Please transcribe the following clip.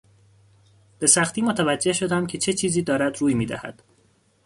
به سختی متوجه شدم که چه چیزی دارد روی میدهد.